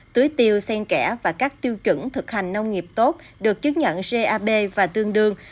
lưới tiêu sen kẽ và các tiêu chuẩn thực hành nông nghiệp tốt được chứng nhận gab và tương đương